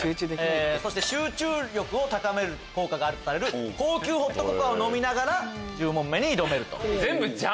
そして集中力を高める効果があるとされる高級ホットココアを飲みながら１０問目に挑める。